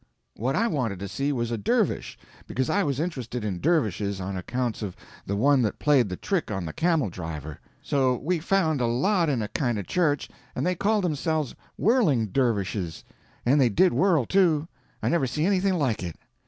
What I wanted to see was a dervish, because I was interested in dervishes on accounts of the one that played the trick on the camel driver. So we found a lot in a kind of a church, and they called themselves Whirling Dervishes; and they did whirl, too. I never see anything like it.